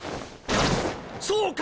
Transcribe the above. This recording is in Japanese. そうか！